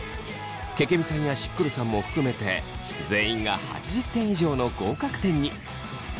けけみさんやしっくるさんも含めて全員が８０点以上の合格点に。